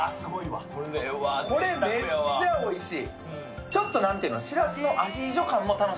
これ、めっちゃおいしい。